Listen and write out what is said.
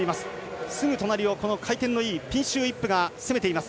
すぐ隣を回転のいいピンシュー・イップが攻めています。